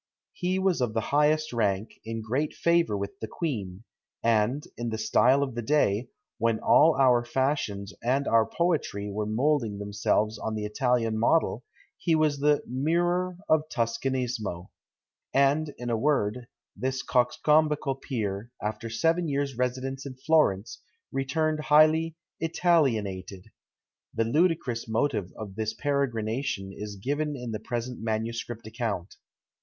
He was of the highest rank, in great favour with the queen, and, in the style of the day, when all our fashions and our poetry were moulding themselves on the Italian model, he was the "Mirrour of Tuscanismo;" and, in a word, this coxcombical peer, after seven years' residence in Florence, returned highly "Italianated." The ludicrous motive of this peregrination is given in the present manuscript account.